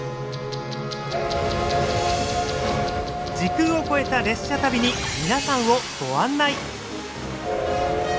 時空を超えた列車旅に皆さんをご案内！